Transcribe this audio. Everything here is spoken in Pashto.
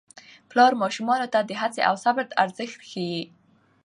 پلار ماشومانو ته د هڅې او صبر ارزښت ښيي